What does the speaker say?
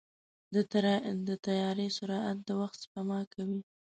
د طیارې سرعت د وخت سپما کوي.